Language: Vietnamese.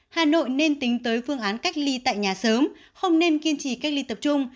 hà nội nên tính tới phương án cách ly tại nhà sớm không nên kiên trì cách ly tập trung